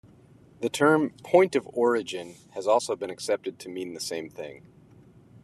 The term "point of origin" has also been accepted to mean the same thing.